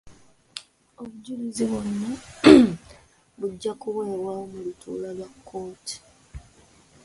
Obujulizi bwonna bujja kuweebwayo mu lutuula lwa kkooti.